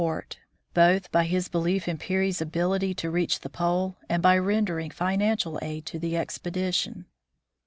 160 THE FROZEN NORTH both by his belief in Peary's ability to reach the Pole, and by rendering financial aid to the expedition.